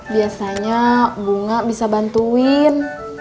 biasanya bunga bisa bantuin